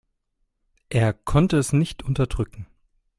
Er konnte es nicht unterdrücken.